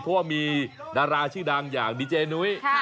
เพราะว่ามีดาราชื่อดังอย่างดีเจนุ้ย